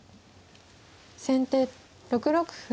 先手６六歩。